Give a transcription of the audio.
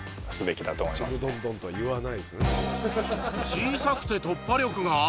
小さくて突破力がある？